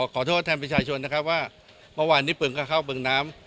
ขอโทษแทนผู้ชายชวนว่าเมื่อวานผึ้งเธอค่าผึ้งน้ำ